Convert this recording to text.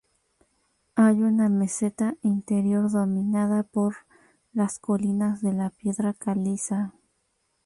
Hay una meseta interior dominada por las colinas de la piedra caliza.